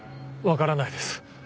分からないです。